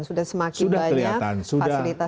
sudah semakin banyak fasilitas